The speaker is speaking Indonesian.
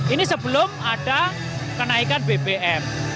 ini sebelum ada kenaikan bbm